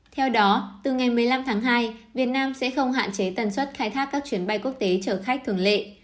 theo đó từ ngày một mươi năm tháng hai việt nam sẽ không hạn chế tần suất khai thác các chuyến bay quốc tế chở khách thường lệ